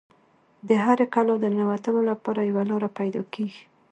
د هرې کلا د ننوتلو لپاره یوه لاره پیدا کیږي